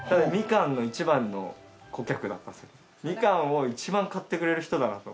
みかんを１番買ってくれる人だなと。